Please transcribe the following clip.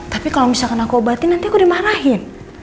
tapi kalau misalkan aku obatin nanti aku dimarahin